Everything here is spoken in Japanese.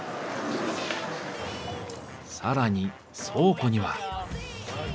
更に倉庫には。